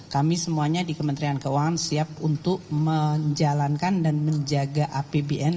kami semuanya di kementerian keuangan siap untuk menjalankan dan menjaga apbn